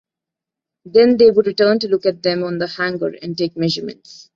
Then they would return to look at them on the hanger and take measurements.